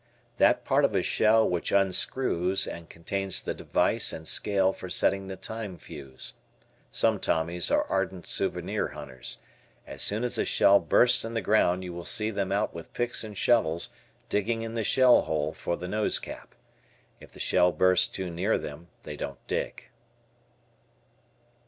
That part of a shell which unscrews and contains the device and scale for setting the time fuse. Some Tommies are ardent souvenir hunters. As soon as a shell bursts in the ground you will see them out with picks and shovels digging in the shell hole for the nose cap. If the shell bursts too near them they don't dig.